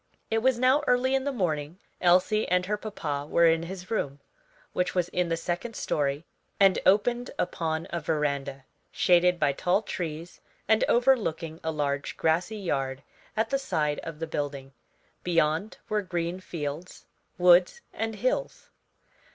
It was now early in the morning, Elsie and her papa were in his room, which was in the second story and opened upon a veranda, shaded by tall trees, and overlooking a large grassy yard at the side of the building. Beyond were green fields, woods, and hills.